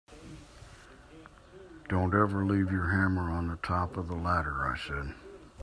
Don’t ever leave your hammer on the top of the ladder, I said.